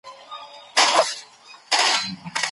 موږ به خوړای سو .